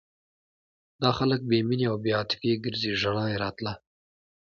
دا خلک بې مینې او بې عاطفې ګرځي ژړا یې راتله.